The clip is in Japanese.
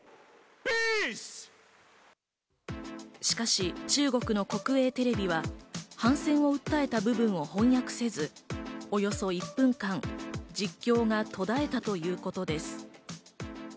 しかし、中国の国営テレビは反戦を訴えた部分を翻訳せず、およそ１分間、実況が途絶えたということです。